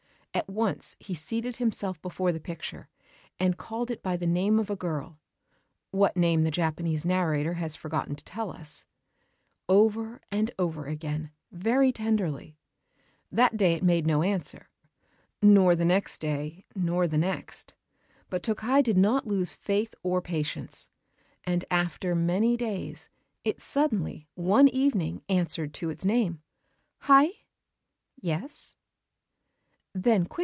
At once he seated himself before the picture, and called it by the name of a girl (what name the Japanese narrator has forgotten to tell us) over and over again, very tenderly. That day it made no answer, nor the next day, nor the next. But Tokkei did not lose faith or patience; and after many days it suddenly one evening answered to its name, "_Hai!